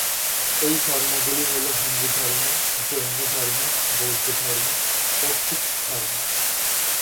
এই ধর্মগুলি হল হিন্দুধর্ম, জৈনধর্ম, বৌদ্ধধর্ম ও শিখধর্ম।